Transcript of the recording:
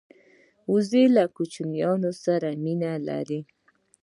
وزې له کوچنیانو سره مینه لري